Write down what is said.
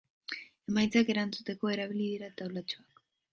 Emaitzak erakusteko erabili dira taulatxoak.